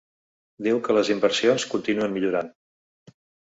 Diu que les inversions continuen millorant.